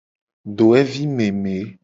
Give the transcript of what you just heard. Dowevi meme.